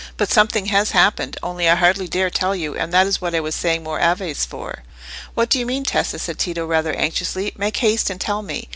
But something has happened, only I hardly dare tell you, and that is what I was saying more Aves for." "What do you mean, Tessa?" said Tito, rather anxiously. "Make haste and tell me."